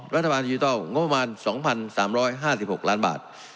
รัฐบาลดิจิทัลงบประมาณ๒๓๕๖ล้านบาท